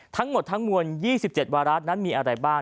ทั้งหมดทั้งมวล๒๗วาระนั้นมีอะไรบ้าง